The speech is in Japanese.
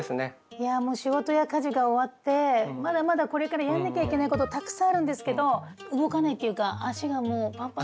いやもう仕事や家事が終わってまだまだこれからやらなきゃいけないことたくさんあるんですけど動かないっていうか足がもうパンパンで。